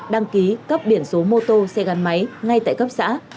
đăng ký cấp biển số mô tô xe gắn máy ngay tại cấp xã